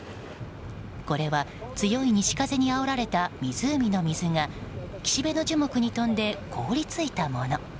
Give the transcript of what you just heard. これは強い西風にあおられた湖の水が岸辺の樹木に飛んで凍り付いたもの。